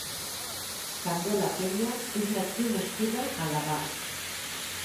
Candela Peña és una actriu nascuda a Gavà.